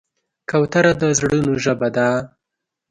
کوتره د زړونو ژبه ده.